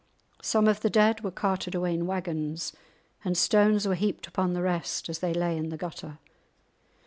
Some of the dead were carted away in waggons, and stones were heaped upon the rest as they lay in the gutter.